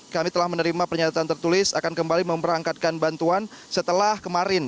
kami telah menerima pernyataan tertulis akan kembali memberangkatkan bantuan setelah kemarin